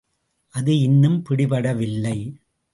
அது இன்னும் பிடிபடவில்லை.